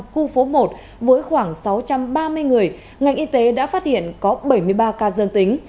khu phố một với khoảng sáu trăm ba mươi người ngành y tế đã phát hiện có bảy mươi ba ca dân tính